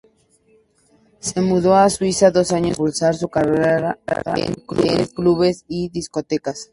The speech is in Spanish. Se mudó a Suiza dos años para impulsar su carrera en clubes y discotecas.